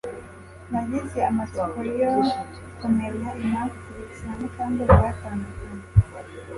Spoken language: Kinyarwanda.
Nagize amatsiko yo kumenya impamvu Trix na Mukandoli batandukanye